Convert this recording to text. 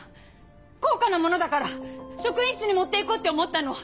高価な物だから職員室に持って行こうって思ったの！